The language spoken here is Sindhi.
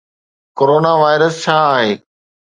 ڪرونا وائرس ڇا آهي؟